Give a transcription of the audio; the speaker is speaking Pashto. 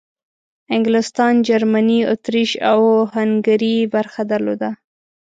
انګلستان، جرمني، اطریش او هنګري برخه درلوده.